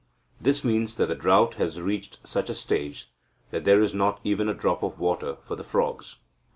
This means that the drought has reached such a stage that there is not even a drop of water for the frogs.